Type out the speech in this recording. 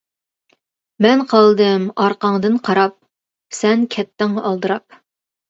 مەن قالدىم ئارقاڭدىن قاراپ، سەن كەتتىڭ ئالدىراپ.